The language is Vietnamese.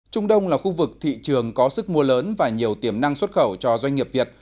trung đông là khu vực thị trường có sức mua lớn và nhiều tiềm năng xuất khẩu cho doanh nghiệp việt